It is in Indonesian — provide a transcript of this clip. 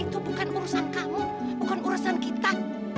itu bukan urusan kamu bukan urusan kita